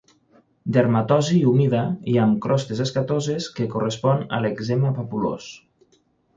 Dermatosi humida i amb crostes escatoses que correspon a l'èczema papulós.